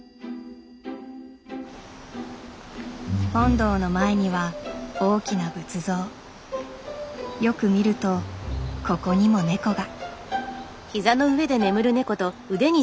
本堂の前には大きな仏像。よく見るとここにもネコが。